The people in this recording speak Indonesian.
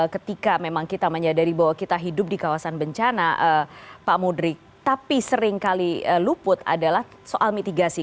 ketika memang kita menyadari bahwa kita hidup di kawasan bencana pak mudrik tapi seringkali luput adalah soal mitigasi